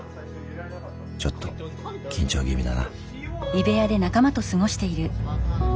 ちょっと緊張気味だな。